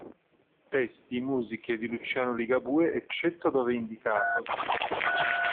Testi e musiche di Luciano Ligabue, eccetto dove indicato.